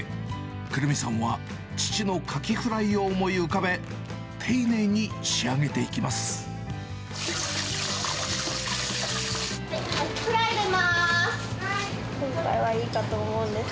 くるみさんは父のカキフライを思い浮かべ、丁寧に仕上げていきまカキフライ出ます。